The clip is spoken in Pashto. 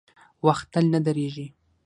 • وخت تل نه درېږي.